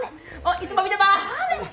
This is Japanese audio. いつも見てます！